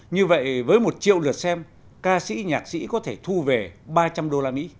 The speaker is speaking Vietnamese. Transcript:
như vậy với một triệu lượt xem ca sĩ nhạc sĩ có thể thu về ba trăm linh usd